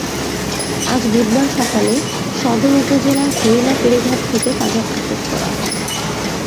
আজ বুধবার সকালে সদর উপজেলার হরিণা ফেরিঘাট থেকে তাঁদের আটক করা হয়।